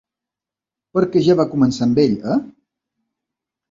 Perquè ja va començar amb ell, eh?